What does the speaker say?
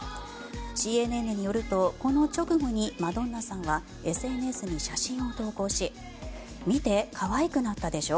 ＣＮＮによると、この直後にマドンナさんはＳＮＳに写真を投稿し見て、可愛くなったでしょ